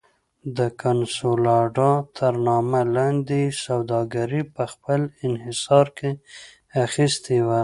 د کنسولاډا تر نامه لاندې یې سوداګري په خپل انحصار کې اخیستې وه.